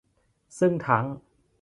ซึ่งทั้ง